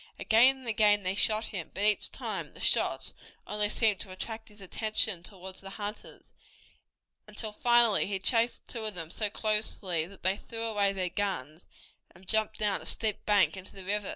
Again and again they shot him, but each time the shots only seemed to attract his attention toward the hunters, until finally he chased two of them so closely that they threw away their guns, and jumped down a steep bank into the river.